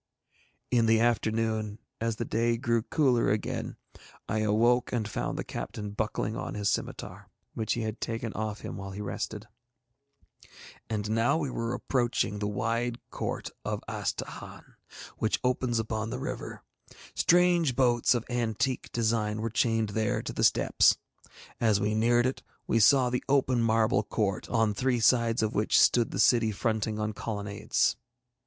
In the afternoon, as the day grew cooler again, I awoke and found the captain buckling on his scimitar, which he had taken off him while he rested. And now we were approaching the wide court of Astahahn, which opens upon the river. Strange boats of antique design were chained there to the steps. As we neared it we saw the open marble court, on three sides of which stood the city fronting on colonnades.